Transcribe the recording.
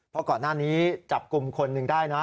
เพราะก่อนหน้านี้จับกลุ่มคนหนึ่งได้นะ